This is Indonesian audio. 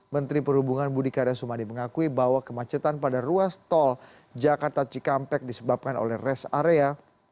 menteri perhubungan budi karya sumadi mengakui bahwa kemacetan pada ruas tol jakarta cikampek disebabkan oleh res area